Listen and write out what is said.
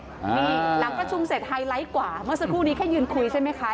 นี่หลังประชุมเสร็จไฮไลท์กว่าเมื่อสักครู่นี้แค่ยืนคุยใช่ไหมคะ